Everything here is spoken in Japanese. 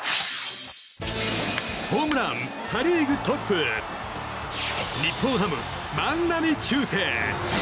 ホームランパ・リーグトップ日本ハム、万波中正。